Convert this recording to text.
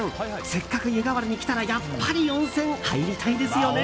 せっかく湯河原に来たらやっぱり温泉入りたいですよね？